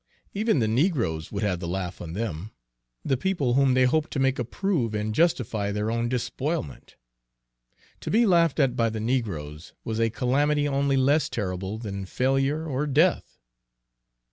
Even the negroes would have the laugh on them, the people whom they hoped to make approve and justify their own despoilment. To be laughed at by the negroes was a calamity only less terrible than failure or death.